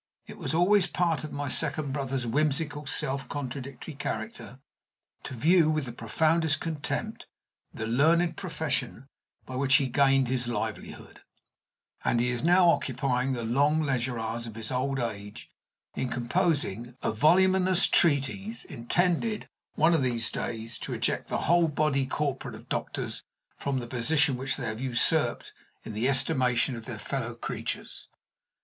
It was always part of my second brother's whimsical, self contradictory character to view with the profoundest contempt the learned profession by which he gained his livelihood, and he is now occupying the long leisure hours of his old age in composing a voluminous treatise, intended, one of these days, to eject the whole body corporate of doctors from the position which they have usurped in the estimation of their fellow creatures.